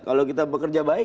kalau kita bekerja baik